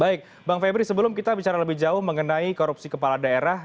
baik bang febri sebelum kita bicara lebih jauh mengenai korupsi kepala daerah